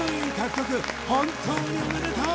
本当におめでとう！